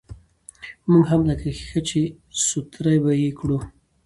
موږ هم لکه ښيښه، چې سوتره به يې کړو.